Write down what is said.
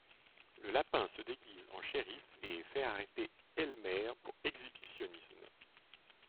Le lapin se déguise en shérif et fait arrêter Elmer pour exhibitionnisme.